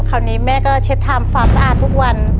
คราวนี้แม่ก็เช็ดทำความสะอาดทุกวัน